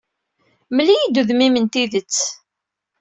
Mmel-iyi-d udem-im n tidet.